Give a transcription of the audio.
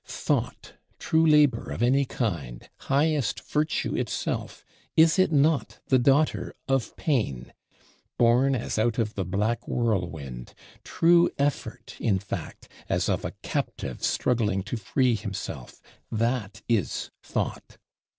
Thought, true labor of any kind, highest virtue itself, is it not the daughter of Pain? Born as out of the black whirlwind; true effort, in fact, as of a captive struggling to free himself: that is Thought.